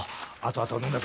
あとは頼んだぞ。